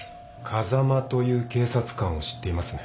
風間という警察官を知っていますね？